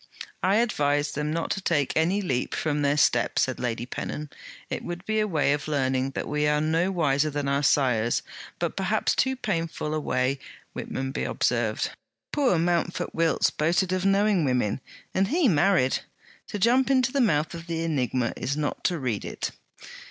'I advise them not to take any leap from their step,' said Lady Pennon. 'It would be a way of learning that we are no wiser than our sires; but perhaps too painful a way,' Whitmonby observed. 'Poor Mountford Wilts boasted of knowing women; and he married. To jump into the mouth of the enigma, is not to read it.'